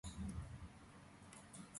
მისი სამშობლოა ტროპიკული ამერიკა.